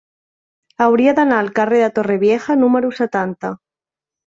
Hauria d'anar al carrer de Torrevieja número setanta.